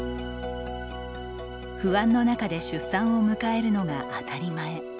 不安の中で出産を迎えるのが当たり前。